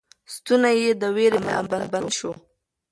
ستونی یې د وېرې له امله بند شو.